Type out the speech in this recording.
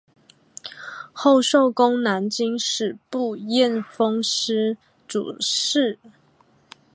后授官南京吏部验封司主事。